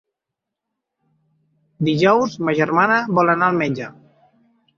Dijous ma germana vol anar al metge.